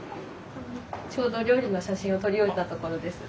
ちょうど料理の写真を撮り終えたところです。